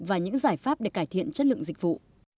và những giải pháp để cải thiện chất lượng dịch vụ